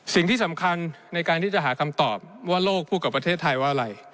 สิ่งที่สำคัญในการที่จะหาคำตอบว่าโลกพูดกับประเทศไทยว่าอะไร